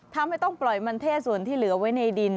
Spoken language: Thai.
ทำให้ต้องปล่อยมันเท่ส่วนที่เหลือไว้ในดิน